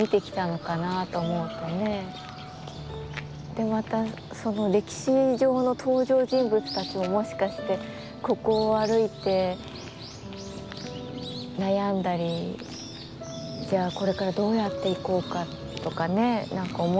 でまたその歴史上の登場人物たちももしかしてここを歩いて悩んだりじゃあこれからどうやっていこうか？とかね何か思ってたかもしれないし。